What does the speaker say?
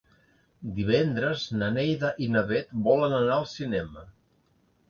Divendres na Neida i na Bet volen anar al cinema.